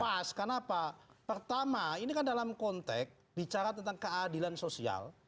mas kenapa pertama ini kan dalam konteks bicara tentang keadilan sosial